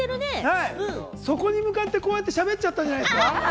そこに向かって、こうやって喋っちゃったんじゃないですか？